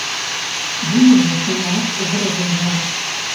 Думаю, ты нас зразумеў.